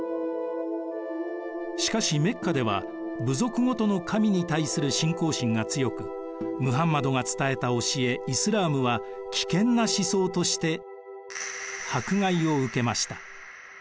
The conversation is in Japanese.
しかしメッカでは部族ごとの神に対する信仰心が強くムハンマドが伝えた教えイスラームは危険な思想として迫害を受けました。